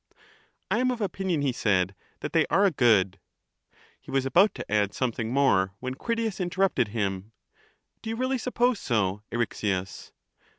I am of opinion, he said, that they are a good. He was about to add something more, when Critias interrupted him :— Do you really suppose so, Eryxias?